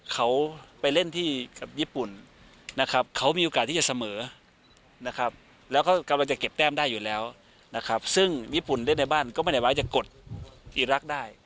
เขาไปเล่นที่กับญี่ปุ่นนะครับเขามีโอกาสที่จะเสมอนะครับแล้วก็กำลังจะเก็บแต้มได้อยู่แล้วนะครับซึ่งญี่ปุ่นเล่นในบ้านก็ไม่ได้ว่าจะกดอีรักษ์ได้